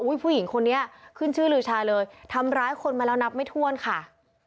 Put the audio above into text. ผู้หญิงคนนี้ขึ้นชื่อลือชาเลยทำร้ายคนมาแล้วนับไม่ถ้วนค่ะ